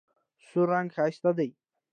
سور رنګ ښایسته دی.